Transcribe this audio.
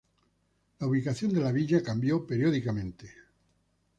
La ubicación de la villa cambio periódicamente.